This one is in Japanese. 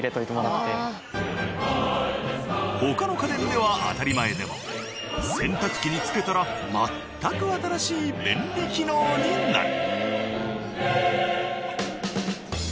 これ他の家電では当たり前でも洗濯機に付けたら全く新しい便利機能になる。